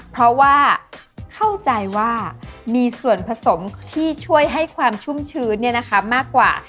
เพราะว่าเข้าใจว่ามีส่วนผสมที่ช่วยให้ความชุ่มชื้นมากกว่า